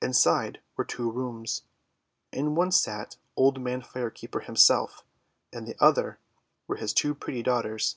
Inside were two rooms. In one sat Old Man Fire Keeper himself, in the other were his two pretty daughters.